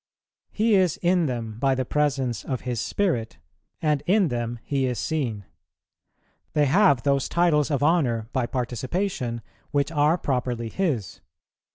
He is in them by the Presence of His Spirit, and in them He is seen. They have those titles of honour by participation, which are properly His.